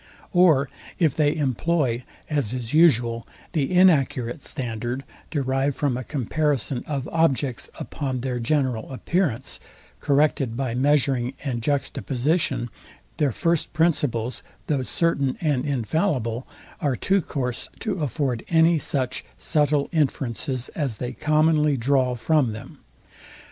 Or if they employ, as is usual, the inaccurate standard, derived from a comparison of objects, upon their general appearance, corrected by measuring and juxtaposition; their first principles, though certain and infallible, are too coarse to afford any such subtile inferences as they commonly draw from them.